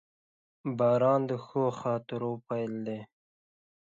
• باران د ښو خاطرو پیل دی.